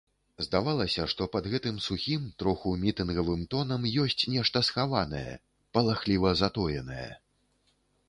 Здавалася, што пад гэтым сухім, троху мітынговым тонам ёсць нешта схаванае, палахліва затоенае.